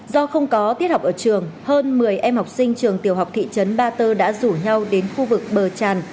do không có tiết học ở trường hơn một mươi em học sinh trường tiểu học thị trấn ba tơ đã rủ nhau đến khu vực bờ tràn